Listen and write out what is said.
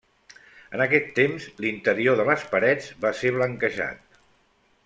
En aquest temps, l'interior de les parets va ser blanquejat.